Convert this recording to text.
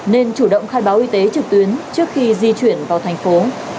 nên chủ động khai báo y tế trực tuyến trước khi di chuyển vào thành phố